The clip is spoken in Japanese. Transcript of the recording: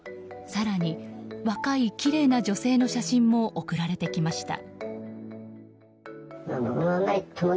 更に、若いきれいな女性の写真も送られてきました。